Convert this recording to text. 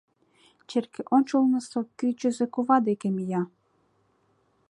Черке ончылнысо кӱчызӧ кува деке мия.